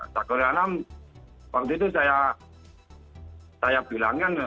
cak koy rilam waktu itu saya bilangkan